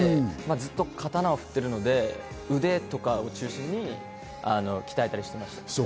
ずっと刀を振っているので腕とかを中心に鍛えたりしてました。